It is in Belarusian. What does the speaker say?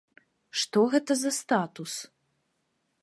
Што гэта за статус?